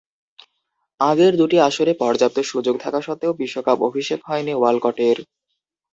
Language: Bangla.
আগের দুটি আসরে পর্যাপ্ত সুযোগ থাকা সত্ত্বেও বিশ্বকাপ অভিষেক হয়নি ওয়ালকটের।